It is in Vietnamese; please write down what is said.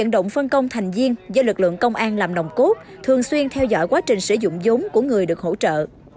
động phân công thành viên do lực lượng công an làm nồng cốt thường xuyên theo dõi quá trình sử dụng giống của người được hỗ trợ